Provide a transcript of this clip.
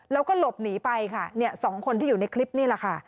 แล้วก็หลบหนีไปค่ะเนี่ยสองคนที่อยู่ในคลิปนี่แหละค่ะ